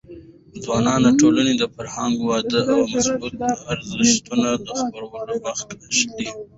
ځوانان د ټولنې د فرهنګي ودي او د مثبتو ارزښتونو د خپرولو مخکښان دي.